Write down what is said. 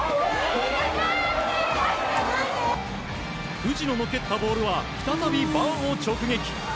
藤野の蹴ったボールは再びバーを直撃。